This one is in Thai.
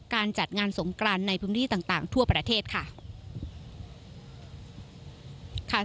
การจัดงานสงกรานในพื้นที่ต่างทั่วประเทศค่ะ